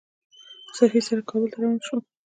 سفیر سره کابل ته روان شوم.